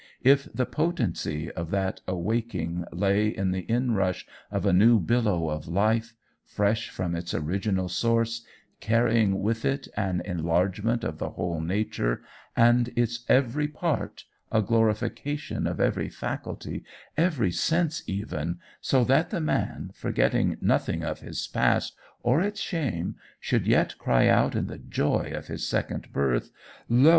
"If the potency of that awaking lay in the inrush of a new billow of life, fresh from its original source, carrying with it an enlargement of the whole nature and its every part, a glorification of every faculty, every sense even, so that the man, forgetting nothing of his past or its shame, should yet cry out in the joy of his second birth: 'Lo!